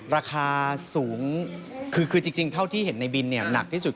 ราคาสูงคือจริงเท่าที่เห็นในบินเนี่ยหนักที่สุด